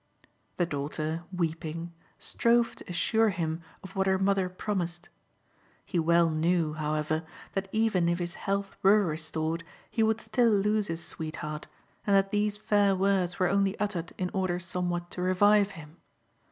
The daughter, weeping, strove to assure him of what her mother promised. He well knew, however, that even if his health were restored he would still lose his sweetheart, and that these fair words were only uttered in order somewhat II. B 1 8 THE HEPTAMERON. to revive him.